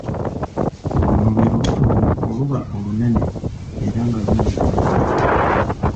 Luno lwe lubuto oluba olunene era nga luyiikayiika.